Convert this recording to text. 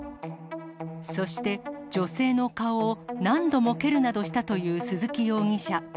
そして、女性の顔を何度も蹴るなどしたという鈴木容疑者。